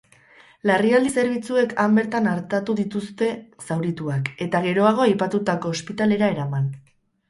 Larrialdi zerbitzuek han bertan artatu dituzte zaurituak, eta geroago aipatutako ospitalera eraman.